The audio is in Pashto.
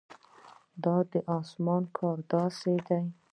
د اسمان کار داسې دی.